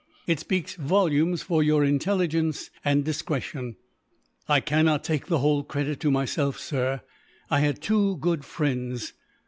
It speaks volumes for your intelligence and discretion." "I cannot take the whole credit to myself, sir. I had two good friends.